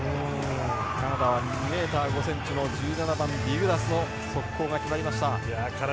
カナダは１７番、ビグラスの速攻が決まりました。